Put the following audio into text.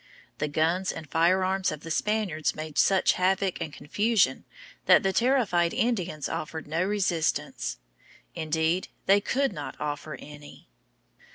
The guns and firearms of the Spaniards made such havoc and confusion that the terrified Indians offered no resistance. Indeed, they could not offer any.